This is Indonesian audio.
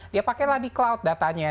dia pakailah di cloud datanya